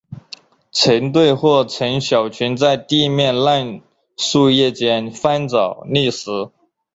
成对或成小群在地面烂树叶间翻找觅食。